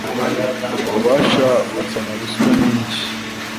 Ububasha buzana ruswa nyishyi